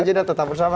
terima kasih pak ustaz